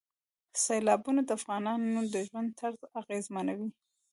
سیلابونه د افغانانو د ژوند طرز اغېزمنوي.